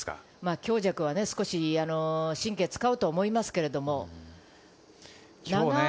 強弱は少し神経を使うと思いますけど。